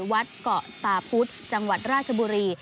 วัดเกาะตาพุธจังหวัดราชบุรี